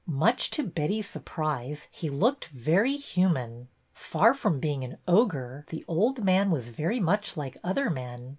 Much to Betty's sur prise, he looked very human. Far from being an ogre, the old man was very much like other men.